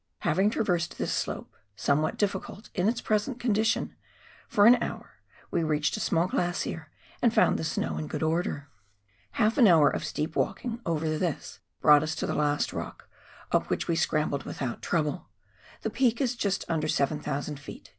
Having traversed this slope — somewhat difficult in its present condition — for an hour, we reached a small glacier, and found the snow in good order. Half an hour of steep walking over this brought us to the last rock, up which we scrambled without trouble. The peak is just under 7,000 ft.